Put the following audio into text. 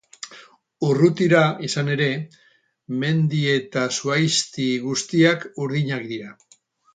Urrutira, izan ere, mendi eta zuhaizti guztiak urdinak dira.